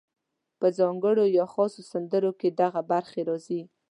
په ځانګړو یا خاصو سندرو کې دغه برخې راځي: